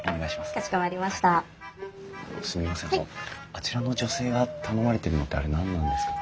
あちらの女性が頼まれてるのってあれ何なんですか？